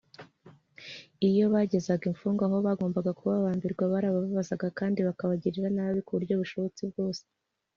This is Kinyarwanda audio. iyo bagezaga imfungwa aho bagomba kubambirwa, barabababazaga kandi bakabagirira nabi ku buryo bushobotse bwose